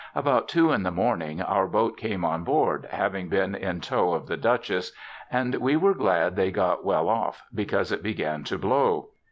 About two in the morning our boat came on board, having been in tow of the ' Dutchess ;' and we were glad they got well off, because it began to blow.